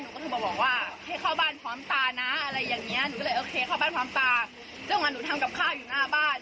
คงเข้าบ้านกลางตาเพราะว่าหนูทำกับข้าวอยู่ข้างบ้าน